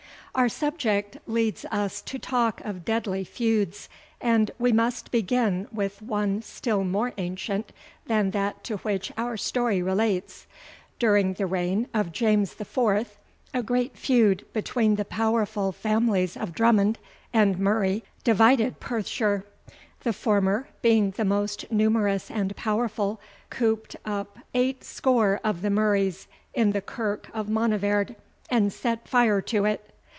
Our subject leads us to talk of deadly feuds, and we must begin with one still more ancient than that to which our story relates. During the reign of James IV., a great feud between the powerful families of Drummond and Murray divided Perthshire. The former, being the most numerous and powerful, cooped up eight score of the Murrays in the kirk of Monivaird, and set fire to it.